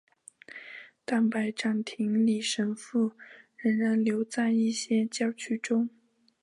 但拜占庭礼神父仍然留在一些教区中。